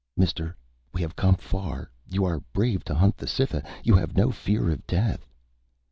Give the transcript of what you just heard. "Mister, we have come far. You are brave to hunt the Cytha. You have no fear of death."